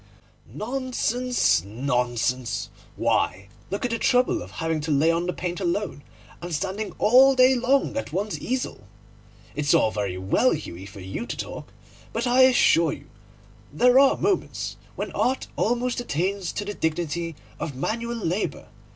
'Nonsense, nonsense! Why, look at the trouble of laying on the paint alone, and standing all day long at one's easel! It's all very well, Hughie, for you to talk, but I assure you that there are moments when Art almost attains to the dignity of manual labour.